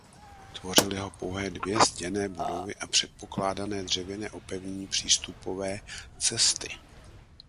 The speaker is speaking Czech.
Tvořily ho pouhé dvě zděné budovy a předpokládané dřevěné opevnění přístupové cesty.